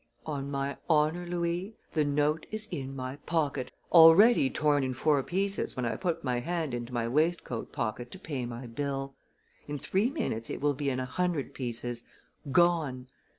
"On my honor, Louis, the note is in my pocket, already torn in four pieces when I put my hand into my waistcoat pocket to pay my bill. In three minutes it will be in a hundred pieces gone!